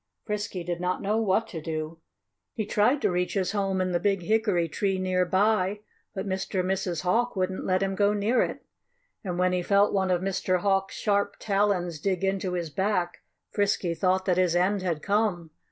Frisky did not know what to do. He tried to reach his home in the big hickory tree near by; but Mr. and Mrs. Hawk wouldn't let him go near it. And when he felt one of Mr. Hawk's sharp talons dig into his back Frisky thought that his end had come.